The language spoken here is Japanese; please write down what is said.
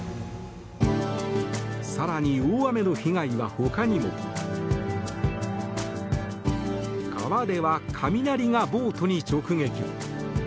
更に大雨の被害は他にも。川では雷がボートに直撃。